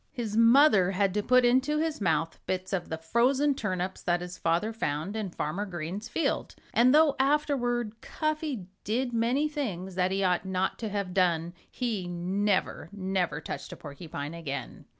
His mother had to put into his mouth bits of the frozen turnips that his father found in Farmer Green's field. And though afterward Cuffy did many things that he ought not to have done, he never, never touched a porcupine again.